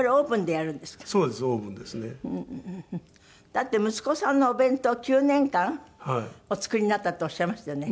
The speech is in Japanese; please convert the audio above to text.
だって息子さんのお弁当を９年間お作りになったっておっしゃいましたよね。